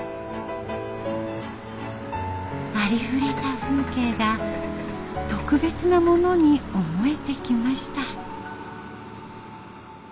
ありふれた風景が特別なものに思えてきました。